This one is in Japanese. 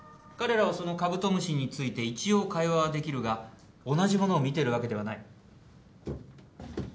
彼らはそのカブトムシについて一応会話はできるが同じものを見てるわけではない。